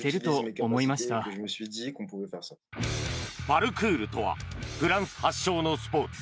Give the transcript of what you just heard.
パルクールとはフランス発祥のスポーツ。